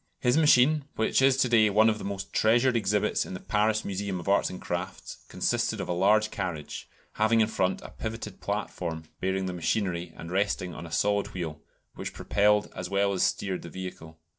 His machine, which is to day one of the most treasured exhibits in the Paris Museum of Arts and Crafts, consisted of a large carriage, having in front a pivoted platform bearing the machinery, and resting on a solid wheel, which propelled as well as steered the vehicle.